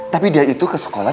tapi dia itu ke sekolah